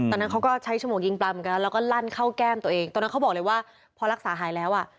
ตอนนั้นเขาก็ใช้ฉมวกยิงปลาเหมือนกันนะแล้วก็ลั่นเข้าแก้มตัวเองตอนนั้นเขาบอกเลยว่าพอรักษาหายแล้วอ่ะ